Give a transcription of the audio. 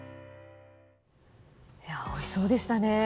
おいしそうでしたね。